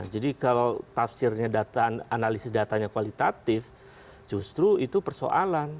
kalau tafsirnya analisis datanya kualitatif justru itu persoalan